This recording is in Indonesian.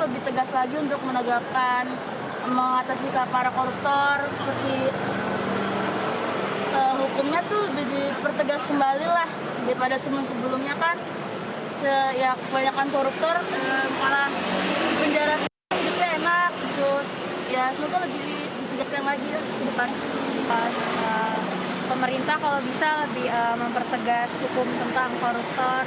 bukan pas pemerintah kalau bisa lebih mempertegas hukum tentang koruptor